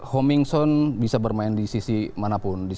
homingson bisa bermain di sisi manapun